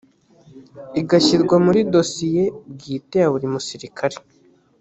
igashyirwa muri dosiye bwite ya buri musirikare